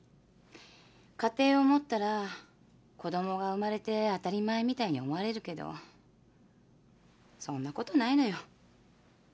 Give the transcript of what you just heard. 家庭を持ったら子供が生まれて当たり前みたいに思われるけどそんなことないのよ。